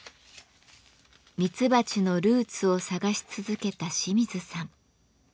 ミツバチのルーツを探し続けた清水さん。